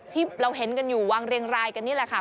ที่เราเห็นกันอยู่วางเรียงรายกันนี่แหละค่ะ